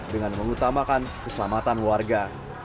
dengan mengutamakan keselamatan warga